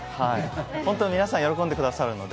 本当、皆さん、喜んでくださるので。